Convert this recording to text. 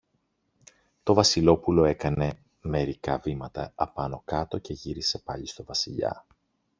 Το Βασιλόπουλο έκανε μερικά βήματα απάνω-κάτω και γύρισε πάλι στο Βασιλιά.